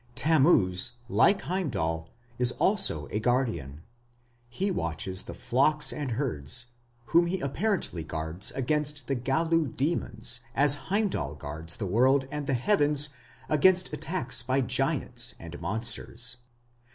Tammuz, like Heimdal, is also a guardian. He watches the flocks and herds, whom he apparently guards against the Gallu demons as Heimdal guards the world and the heavens against attacks by giants and monsters.